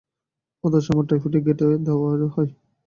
অথচ আমাকে টাইপিঠের গোটে দেয়া হয়।